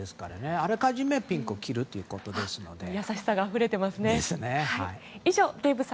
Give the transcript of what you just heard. あらかじめ、ピンクを着るということですからね。